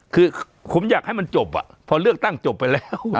คือผมอยากให้มันจบพอเลือกตั้งจบไปแล้ว